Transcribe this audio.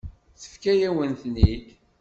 Tefka-yawen-ten-id.